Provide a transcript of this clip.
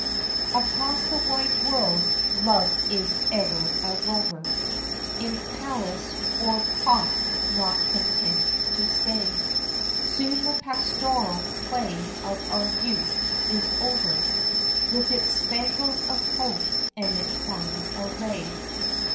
Across the wide world Love is ever a rover, In palace or cot not content to stay. Soon the pastoral play of our youth is over With its spangles of hope and its fine array.